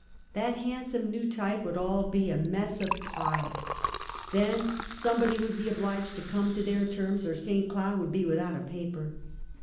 That handsome new type would all be a mess of pi, then somebody would be obliged to come to their terms or St. Cloud would be without a paper.